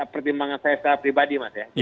pertimbangan saya secara pribadi